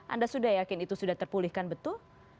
anda sudah yakin itu sudah terpulihkan betul